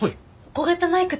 小型マイク？